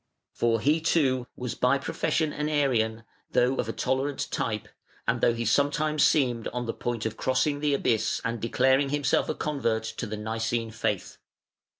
For he, too, was by profession an Arian, though of a tolerant type, and though he sometimes seemed on the point of crossing the abyss and declaring himself a convert to the Nicene faith.